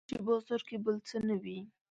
چې بازار کې بل څه نه وي